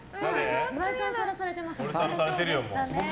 岩井さん、もうさらされてますよ。